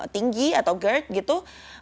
tinggi atau gerd gitu